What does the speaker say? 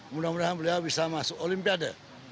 mudah mudahan beliau bisa masuk olimpiade